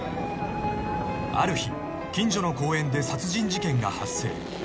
［ある日近所の公園で殺人事件が発生］